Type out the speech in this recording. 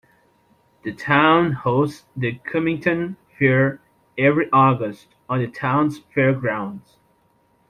The town hosts the Cummington Fair every August on the town's fairgrounds.